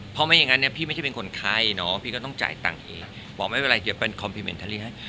เพราะไม่อย่างนั้นเนี่ยพี่ไม่ใช่เป็นคนไข้เนาะพี่ก็ต้องจ่ายตังค์เองบอกไม่เป็นไรเดี๋ยวเป็นคอมพิมอินเทอรี่ให้